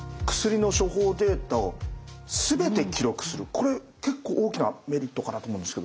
これ結構大きなメリットかなと思うんですけど。